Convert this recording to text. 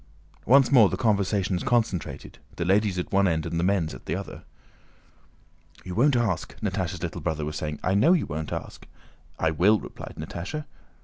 Once more the conversations concentrated, the ladies' at the one end and the men's at the other. "You won't ask," Natásha's little brother was saying; "I know you won't ask!" "I will," replied Natásha.